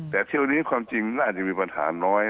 แต่เที่ยวนี้ความจริงน่าจะมีปัญหาน้อย